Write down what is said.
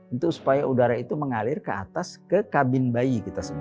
untuk supaya udara itu mengalir ke atas ke kabin bayi